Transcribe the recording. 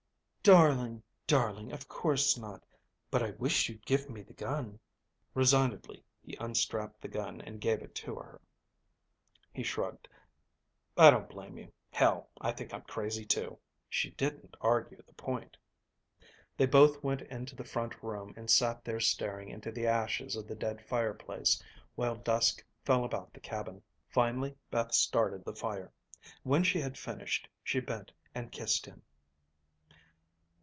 "Darling, darling, of course not. But I wish you'd give me the gun." Resignedly he unstrapped the gun and gave it to her. He shrugged. "I don't blame you. Hell, I think I'm crazy too." She didn't argue the point. They both went into the front room and sat there staring into the ashes of the dead fireplace while dusk fell about the cabin. Finally Beth started the fire. When she had finished, she bent and kissed him.